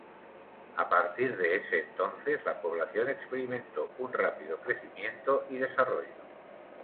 A partir de ese entonces la población experimentó un rápido crecimiento y desarrollo.